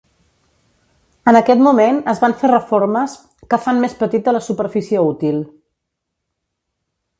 En aquest moment es van fer reformes que fan més petita la superfície útil.